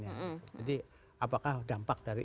ya jadi apakah dampak dari